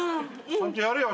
ちゃんとやれよ。